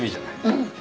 うん。